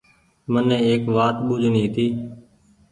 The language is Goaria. مني ايڪ وآت ٻوجڻي هيتي